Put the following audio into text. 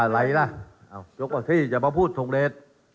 อะไลล่ะเยอะกว่าที่อย่าเพราะพูดส่งเรศ